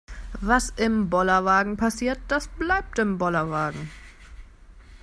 Was im Bollerwagen passiert, das bleibt im Bollerwagen.